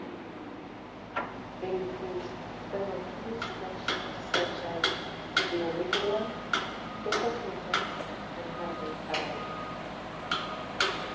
It includes several key structures, such as the amygdala, hippocampus, and hypothalamus.